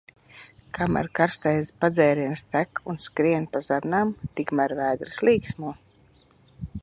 Kamēr karstais padzēriens tek un skrien pa zarnām, tikmēr vēders līksmo.